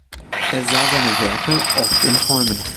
Er sah seine Werke oft in Träumen.